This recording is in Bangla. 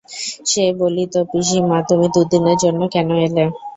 সে বলিত, পিসিমা, তুমি দুদিনের জন্যে কেন এলে!